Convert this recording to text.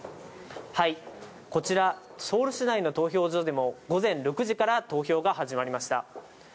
こちらソウル市内の投票所でも午前６時から投票が始まりました。